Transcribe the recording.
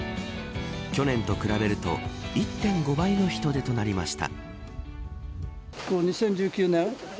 去年と比べると１．５倍の人出となりました。